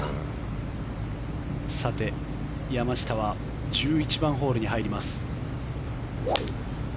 さて、山下は１１番ホールに入ります。